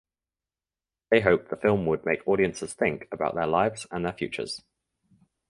They hoped the film would make audiences think about their lives and their futures.